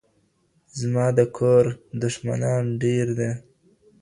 زما د کور د، ښمنان ډير دي